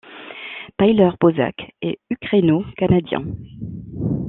Tyler Bozak est Ukraino-Canadien.